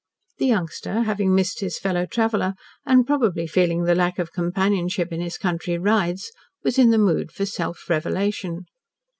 The youngster, having missed his fellow traveler, and probably feeling the lack of companionship in his country rides, was in the mood for self revelation.